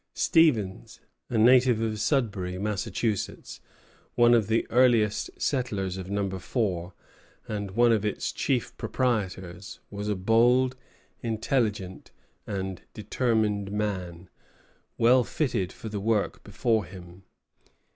Stevens, a native of Sudbury, Massachusetts, one of the earliest settlers of Number Four, and one of its chief proprietors, was a bold, intelligent, and determined man, well fitted for the work before him.